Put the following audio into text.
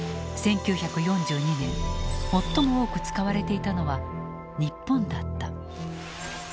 １９４２年最も多く使われていたのは「日本」だった。